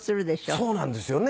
そうなんですよね